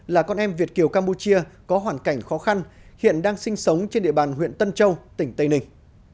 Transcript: là con em việt kiều campuchia có hoàn cảnh khó khăn hiện đang sinh sống trên địa bàn huyện tân châu tỉnh tây ninh